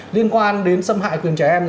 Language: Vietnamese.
liên quan đến xâm hại quyền trẻ em